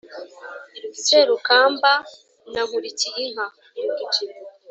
Serukamba na Nkurikiyinka.